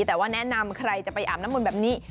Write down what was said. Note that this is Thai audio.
แต่ว่าแนะนำใครจะไปอาบน้ำมนต์แบบนี้